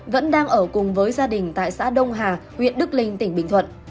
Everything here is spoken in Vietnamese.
vẫn đang ở cùng với gia đình tại xã đông hà huyện đức linh tỉnh bình thuận